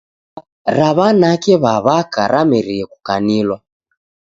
Ndoa ra w'ananake w'a w'aka ramerie kukanilwa.